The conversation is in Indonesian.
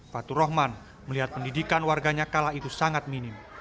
patu rohman melihat pendidikan warganya kalah itu sangat minim